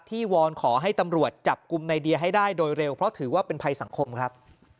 วอนขอให้ตำรวจจับกลุ่มในเดียให้ได้โดยเร็วเพราะถือว่าเป็นภัยสังคมครับ